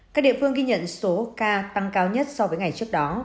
các địa phương ghi nhận số ca tăng cao nhất so với ngày trước đó